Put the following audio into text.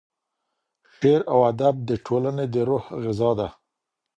شعر او ادب د ټولني د روح غذا ده.